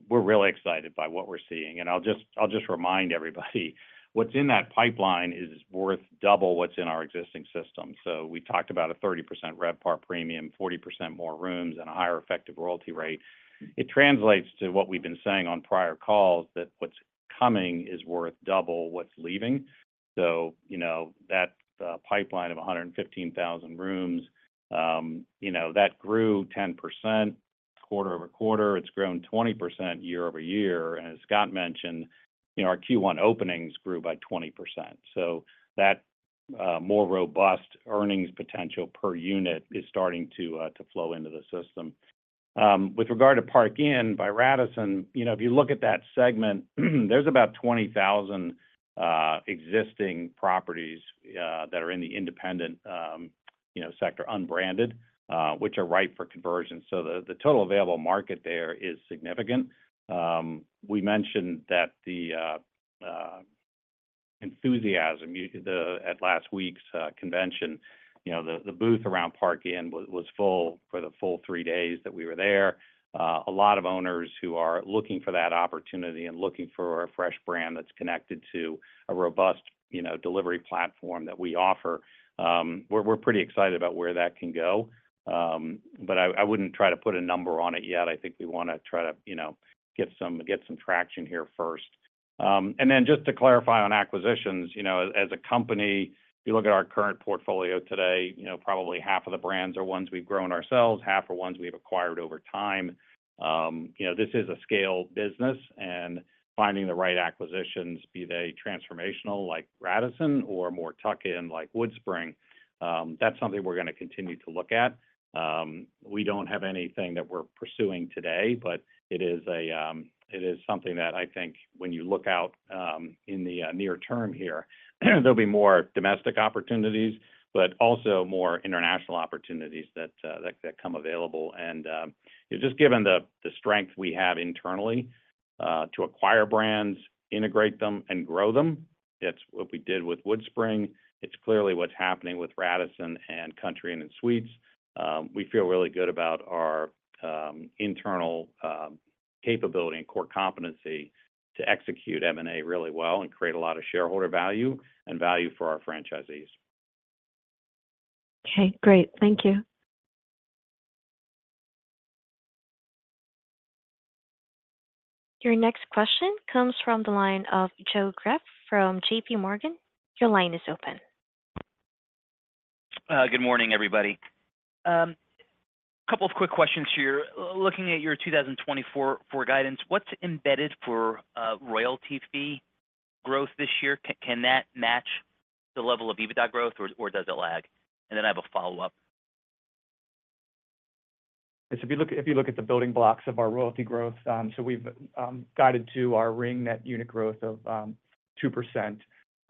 we're really excited by what we're seeing. And I'll just remind everybody, what's in that pipeline is worth double what's in our existing system. So we talked about a 30% RevPAR premium, 40% more rooms, and a higher effective royalty rate. It translates to what we've been saying on prior calls, that what's coming is worth double what's leaving. So, you know, that pipeline of 115,000 rooms, you know, that grew 10% quarter-over-quarter. It's grown 20% year-over-year, and as Scott mentioned, you know, our Q1 openings grew by 20%. So that more robust earnings potential per unit is starting to flow into the system. With regard to Park Inn by Radisson, you know, if you look at that segment, there's about 20,000 existing properties that are in the independent, you know, sector, unbranded, which are ripe for conversion. So the total available market there is significant. We mentioned that the enthusiasm at last week's convention, you know, the booth around Park Inn was full for the full three days that we were there. A lot of owners who are looking for that opportunity and looking for a fresh brand that's connected to a robust, you know, delivery platform that we offer, we're pretty excited about where that can go. But I wouldn't try to put a number on it yet. I think we wanna try to, you know, get some traction here first. And then just to clarify on acquisitions, you know, as a company, if you look at our current portfolio today, you know, probably half of the brands are ones we've grown ourselves, half are ones we've acquired over time. You know, this is a scale business, and finding the right acquisitions, be they transformational, like Radisson, or more tuck-in, like WoodSpring, that's something we're gonna continue to look at. We don't have anything that we're pursuing today, but it is something that I think when you look out, in the near term here, there'll be more domestic opportunities, but also more international opportunities that come available. And, just given the strength we have internally to acquire brands, integrate them, and grow them, it's what we did with WoodSpring. It's clearly what's happening with Radisson and Country Inn & Suites. We feel really good about our internal capability and core competency to execute M&A really well and create a lot of shareholder value and value for our franchisees. Okay, great. Thank you. Your next question comes from the line of Joe Greff from JPMorgan. Your line is open. Good morning, everybody. Couple of quick questions here. Looking at your 2024 for guidance, what's embedded for royalty fee growth this year? Can that match the level of EBITDA growth, or does it lag? And then I have a follow-up. Yes, if you look, if you look at the building blocks of our royalty growth, so we've guided to our net unit growth of 2%,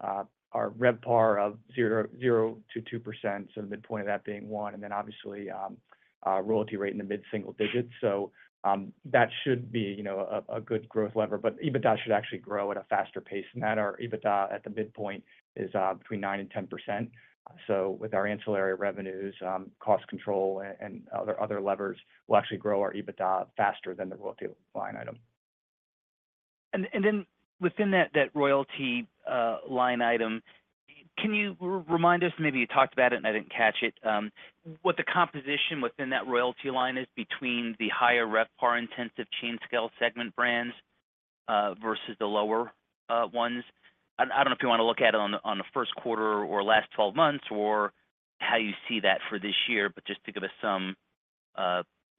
our RevPAR of 0%-2%, so the midpoint of that being 1%, and then obviously royalty rate in the mid-single digits. So that should be, you know, a good growth lever, but EBITDA should actually grow at a faster pace than that. Our EBITDA at the midpoint is between 9%-10%. So with our ancillary revenues, cost control and other levers, we'll actually grow our EBITDA faster than the royalty line item. And then within that royalty line item, can you remind us, maybe you talked about it and I didn't catch it, what the composition within that royalty line is between the higher RevPAR Intensive chain scale segment brands versus the lower ones? I don't know if you want to look at it on the first quarter or last twelve months, or how you see that for this year, but just to give us some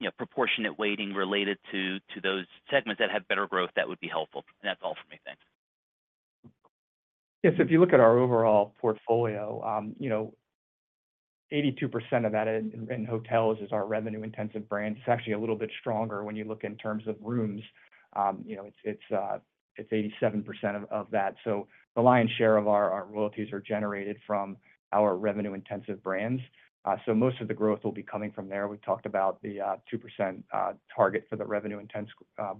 you know proportionate weighting related to those segments that have better growth, that would be helpful. And that's all for me. Thanks. Yes, if you look at our overall portfolio, you know, 82% of that in hotels is our revenue intensive brands. It's actually a little bit stronger when you look in terms of rooms. You know, it's, it's, it's 87% of that. So the lion's share of our royalties are generated from our revenue intensive brands. So most of the growth will be coming from there. We talked about the two percent target for the revenue intense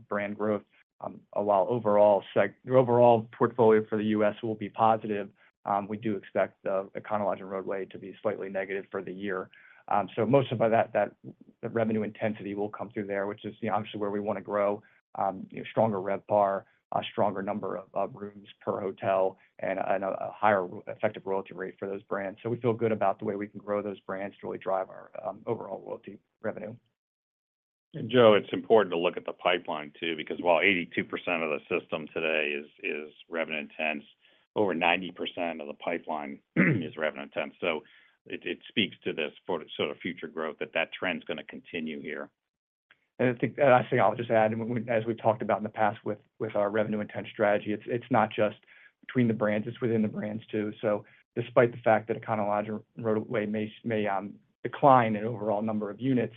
brand growth. While overall the overall portfolio for the US will be positive, we do expect the Econo Lodge and Rodeway to be slightly negative for the year. So most of that, the revenue intensity will come through there, which is obviously where we want to grow, stronger RevPAR, a stronger number of rooms per hotel, and a higher effective royalty rate for those brands. So we feel good about the way we can grow those brands to really drive our overall royalty revenue. Joe, it's important to look at the pipeline, too, because while 82% of the system today is revenue intense, over 90% of the pipeline is revenue intense. So it speaks to this for sort of future growth, that trend is gonna continue here. And I think, I say I'll just add, and as we've talked about in the past with our revenue intense strategy, it's not just between the brands, it's within the brands, too. So despite the fact that Econo Lodge and Rodeway may decline in overall number of units,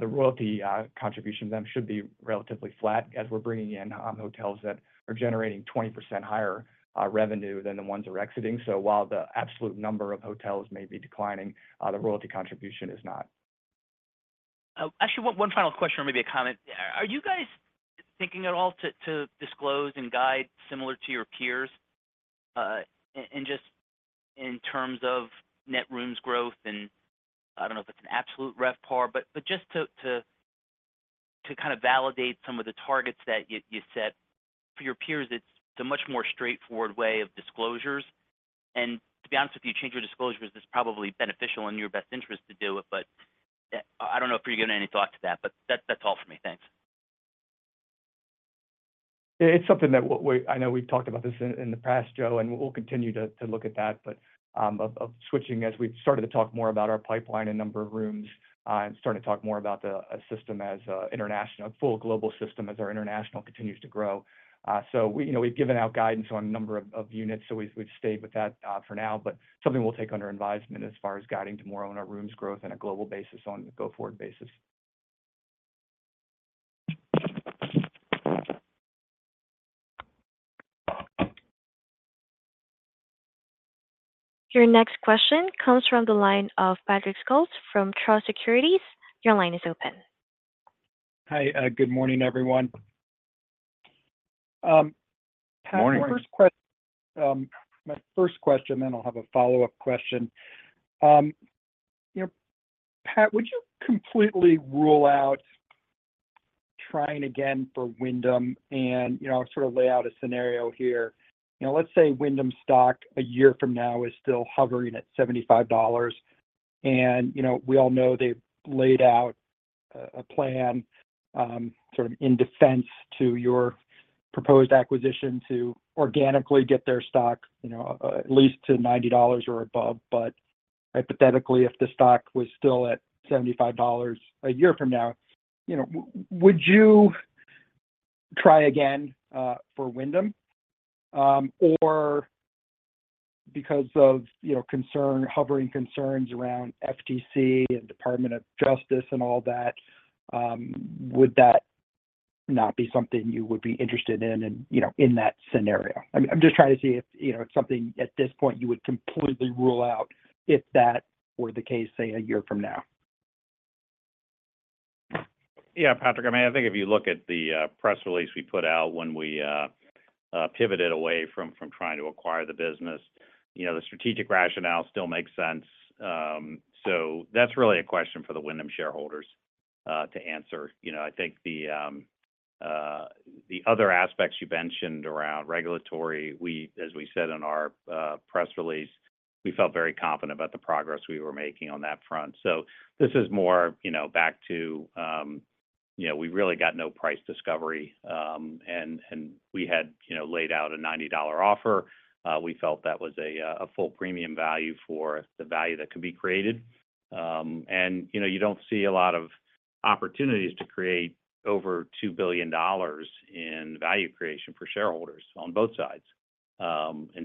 the royalty contribution to them should be relatively flat as we're bringing in hotels that are generating 20% higher revenue than the ones we're exiting. So while the absolute number of hotels may be declining, the royalty contribution is not. Actually, one final question or maybe a comment. Are you guys thinking at all to disclose and guide similar to your peers, in just terms of net rooms growth? And I don't know if it's an absolute RevPAR, but just to kind of validate some of the targets that you set. For your peers, it's a much more straightforward way of disclosures. And to be honest, if you change your disclosures, it's probably beneficial in your best interest to do it, but I don't know if you're giving any thought to that. But that's all for me. Thanks. It's something that we—I know we've talked about this in the past, Joe, and we'll continue to look at that. But of switching as we've started to talk more about our pipeline and number of rooms, and starting to talk more about the system as an international—a full global system as our international continues to grow. So we, you know, we've given out guidance on a number of units, so we've stayed with that for now. But something we'll take under advisement as far as guiding tomorrow on our rooms growth on a global basis, on a go-forward basis. Your next question comes from the line of Patrick Scholes from Truist Securities. Your line is open. Hi, good morning, everyone. Pat- Morning. My first question, then I'll have a follow-up question. You know, Pat, would you completely rule out trying again for Wyndham and, you know, sort of lay out a scenario here? You know, let's say Wyndham stock a year from now is still hovering at $75, and, you know, we all know they've laid out a plan, sort of in defense to your proposed acquisition to organically get their stock, you know, at least to $90 or above. But hypothetically, if the stock was still at $75 a year from now, you know, would you try again for Wyndham? Or because of, you know, concern, hovering concerns around FTC and Department of Justice and all that, would that not be something you would be interested in and, you know, in that scenario? I'm just trying to see if, you know, it's something at this point you would completely rule out if that were the case, say, a year from now? Yeah, Patrick, I mean, I think if you look at the press release we put out when we pivoted away from trying to acquire the business, you know, the strategic rationale still makes sense. So that's really a question for the Wyndham shareholders to answer. You know, I think the other aspects you mentioned around regulatory, we, as we said in our press release, we felt very confident about the progress we were making on that front. So this is more, you know, back to, you know, we really got no price discovery, and we had, you know, laid out a $90 offer. We felt that was a full premium value for the value that could be created. You know, you don't see a lot of opportunities to create over $2 billion in value creation for shareholders on both sides.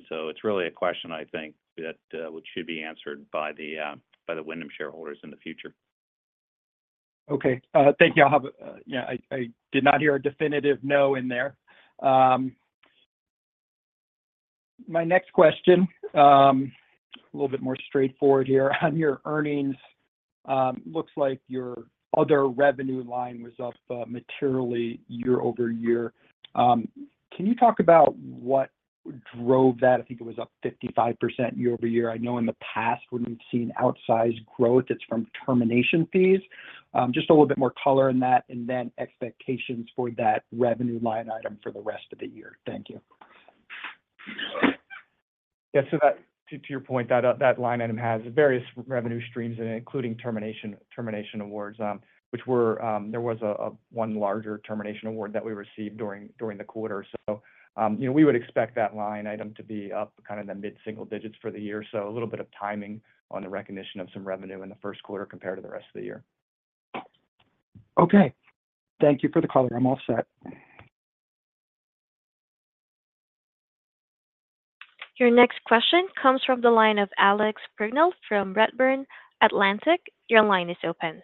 So it's really a question, I think, that which should be answered by the Wyndham shareholders in the future. Okay. Thank you. I'll have. Yeah, I did not hear a definitive no in there. My next question, a little bit more straightforward here. On your earnings, looks like your other revenue line was up materially year-over-year. Can you talk about what drove that? I think it was up 55% year-over-year. I know in the past when we've seen outsized growth, it's from termination fees. Just a little bit more color on that and then expectations for that revenue line item for the rest of the year. Thank you. Yeah, so that, to your point, that line item has various revenue streams, and including termination awards, which were, there was a one larger termination award that we received during the quarter. So, you know, we would expect that line item to be up kind of in the mid-single digits for the year. So a little bit of timing on the recognition of some revenue in the first quarter compared to the rest of the year. Okay. Thank you for the color. I'm all set. Your next question comes from the line of Alex Brignall from Redburn Atlantic. Your line is open.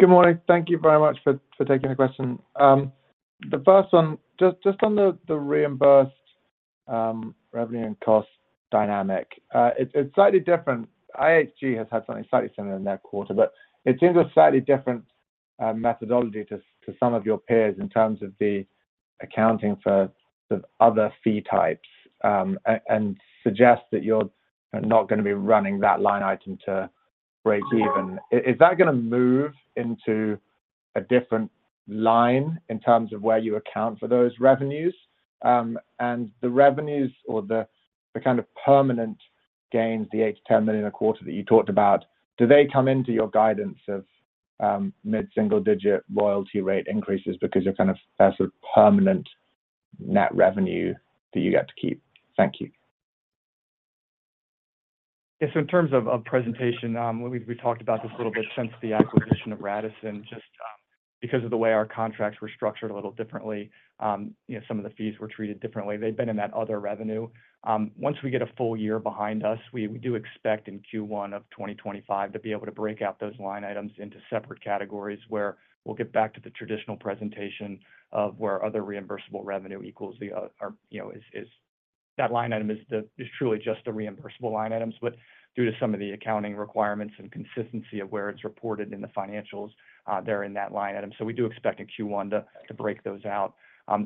Good morning. Thank you very much for taking the question. The first one, just on the reimbursed revenue and cost dynamic. It's slightly different. IHG has had something slightly similar in that quarter, but it seems a slightly different methodology to some of your peers in terms of the accounting for the other fee types, and suggest that you're not gonna be running that line item to break even. Is that gonna move into a different line in terms of where you account for those revenues? And the revenues or the kind of permanent gains, the $8 million-$10 million a quarter that you talked about, do they come into your guidance of mid-single-digit loyalty rate increases because you're kind of as a permanent net revenue that you get to keep? Thank you. Yes, so in terms of presentation, we talked about this a little bit since the acquisition of Radisson, just because of the way our contracts were structured a little differently, you know, some of the fees were treated differently. They've been in that other revenue. Once we get a full year behind us, we do expect in Q1 of 2025 to be able to break out those line items into separate categories, where we'll get back to the traditional presentation of where other reimbursable revenue equals the o- or, you know, is, is... That line item is the- is truly just the reimbursable line items. But due to some of the accounting requirements and consistency of where it's reported in the financials, they're in that line item. So we do expect in Q1 to break those out.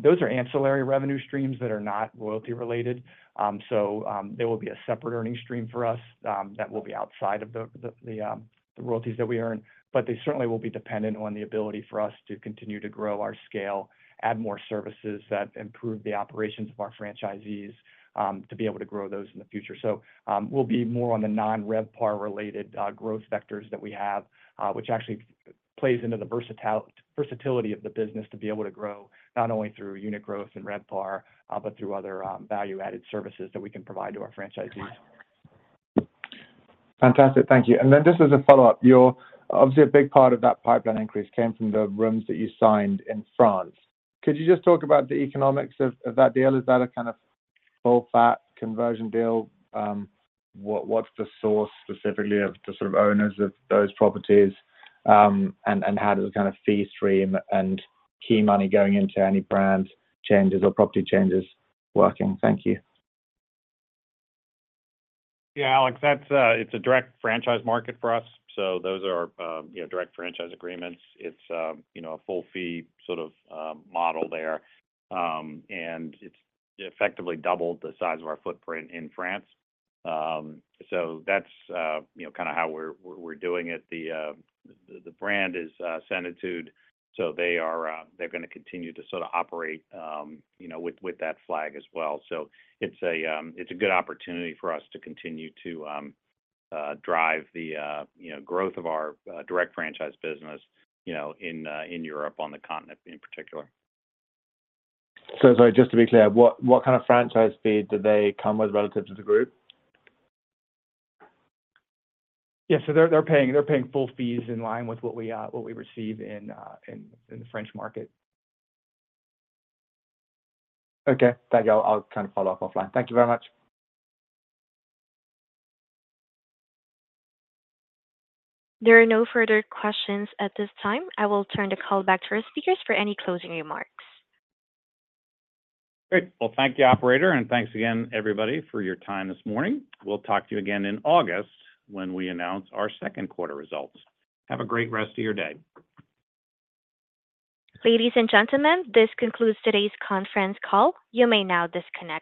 Those are ancillary revenue streams that are not royalty related. So, they will be a separate earning stream for us, that will be outside of the royalties that we earn. But they certainly will be dependent on the ability for us to continue to grow our scale, add more services that improve the operations of our franchisees, to be able to grow those in the future. So, we'll be more on the non-RevPAR related growth vectors that we have, which actually plays into the versatility of the business to be able to grow, not only through unit growth and RevPAR, but through other value-added services that we can provide to our franchisees. Fantastic. Thank you. And then just as a follow-up, you're obviously a big part of that pipeline increase came from the rooms that you signed in France. Could you just talk about the economics of that deal? Is that a kind of full fat conversion deal? What's the source specifically of the sort of owners of those properties, and how does the kind of fee stream and key money going into any brand changes or property changes working? Thank you. Yeah, Alex, that's, it's a direct franchise market for us, so those are, you know, direct franchise agreements. It's, you know, a full fee sort of, model there. And it's effectively doubled the size of our footprint in France. So that's, you know, kind of how we're, we're doing it. The brand is, Zenitude, so they are, they're gonna continue to sort of operate, you know, with, with that flag as well. So it's a, it's a good opportunity for us to continue to, drive the, you know, growth of our, direct franchise business, you know, in, in Europe, on the continent in particular. Sorry, just to be clear, what kind of franchise fee did they come with relative to the group? Yeah, so they're paying full fees in line with what we receive in the French market. Okay, thank you. I'll try to follow up offline. Thank you very much. There are no further questions at this time. I will turn the call back to our speakers for any closing remarks. Great. Well, thank you, operator, and thanks again, everybody, for your time this morning. We'll talk to you again in August when we announce our second quarter results. Have a great rest of your day. Ladies and gentlemen, this concludes today's conference call. You may now disconnect.